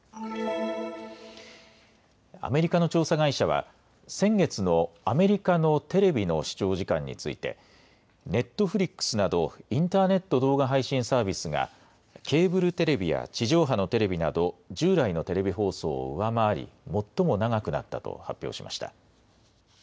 アメリカの調査会社は、先月のアメリカのテレビの視聴時間について、ネットフリックスなど、インターネット動画配信サービスが、ケーブルテレビや地上波のテレビなど、従来のテレビ放送を上回り、最も長くなったと発表しました。